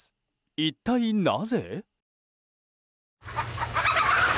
一体なぜ？